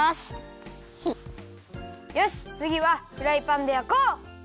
よしつぎはフライパンでやこう！